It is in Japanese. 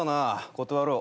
断ろう。